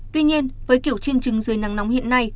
tuy nhiên với kiểu chiên trứng dưới nắng nóng hiện nay